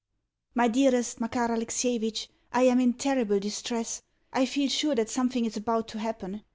MY DEAREST MAKAR ALEXIEVITCH, I am in terrible distress. I feel sure that something is about to happen.